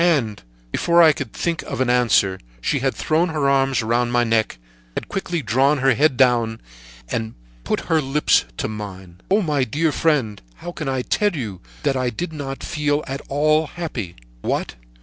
"And before I could think of an answer, she had thrown her arms around my neck, had quickly drawn my head down, and put her lips to mine. "Oh! My dear friend, I can tell you that I did not feel at all happy! What!